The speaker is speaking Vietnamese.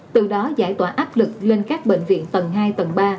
từ đó giải tỏa áp lực lên các bệnh viện tầng hai tầng ba